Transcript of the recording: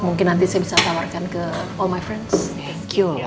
mungkin nanti saya bisa tawarkan ke semua temen temen saya